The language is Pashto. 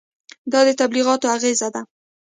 دا د تبلیغاتو اغېزه ده.